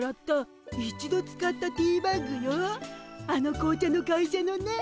あの紅茶の会社のね。